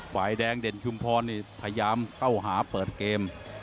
ฝ่ายแดงเด่นชุมพรนี่พยายามเข้าหาเปิดเกม